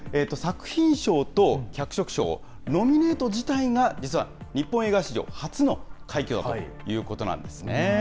作品賞と脚色賞、ノミネート自体が、実は日本映画史上初の快挙だということなんですね。